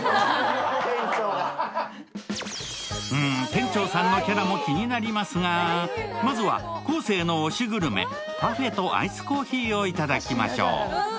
店長さんのキャラも気になりますが、まずは昴生の推しグルメ、パフェとアイスコーヒーを頂きましょう。